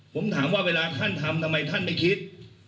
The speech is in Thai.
ผมถามว่าเวลาท่านทำทำไมท่านไม่คิด